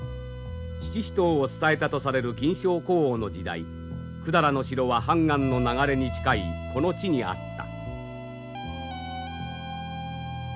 七支刀を伝えたとされる近肖古王の時代百済の城は漢江の流れに近いこの地にあった。